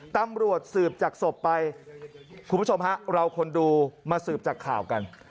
ตำรวจสืบจากศพไปคุณผู้ชมฮะเราคนดูมาสืบจากข่าวกัน